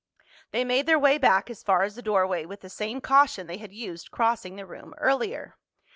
They made their way back as far as the doorway with the same caution they had used crossing the room earlier.